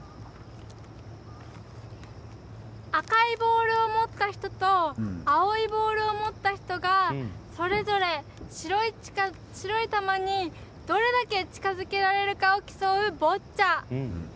赤いボールを持った人と青いボールを持った人がそれぞれ、白い球にどれだけ近づけられるかを競うボッチャ。